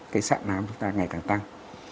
cái sạn nám của ta ngày càng tăng